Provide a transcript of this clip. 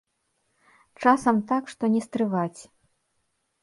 Часам так, што не стрываць.